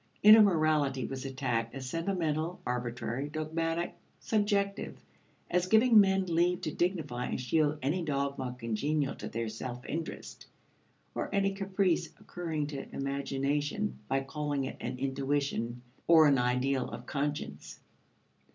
Inner morality was attacked as sentimental, arbitrary, dogmatic, subjective as giving men leave to dignify and shield any dogma congenial to their self interest or any caprice occurring to imagination by calling it an intuition or an ideal of conscience.